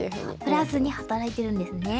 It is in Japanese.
プラスに働いてるんですね。